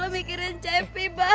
lo mikirin cepi bang